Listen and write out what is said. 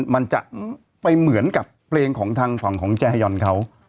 มันจะไปเหมือนกับเพลงของทางฝั่งของแจยอนเขา